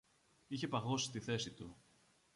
Είχε παγώσει στη θέση του